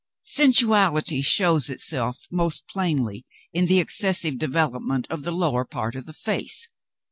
Sensuality shows itself most plainly in the excessive development of the lower part of the face.